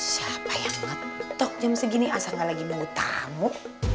siapa yang ngetok jam segini asal nggak lagi nunggu tamu